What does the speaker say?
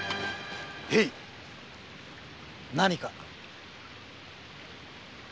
へい。何か？